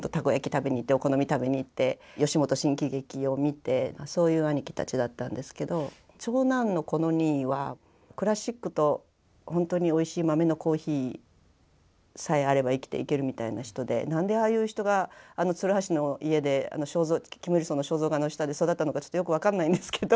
食べに行ってお好み食べに行って吉本新喜劇を見てそういう兄貴たちだったんですけど長男のコノ兄はクラシックと本当においしい豆のコーヒーさえあれば生きていけるみたいな人で何でああいう人があの鶴橋の家でキムイルソンの肖像画の下で育ったのかちょっとよく分かんないんですけど。